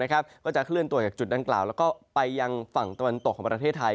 ก็จะเคลื่อนตัวจากจุดดังกล่าวแล้วก็ไปยังฝั่งตะวันตกของประเทศไทย